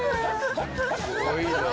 すごいな。